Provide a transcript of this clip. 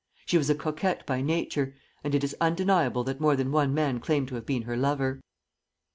She was a coquette by nature, and it is undeniable that more than one man claimed to have been her lover.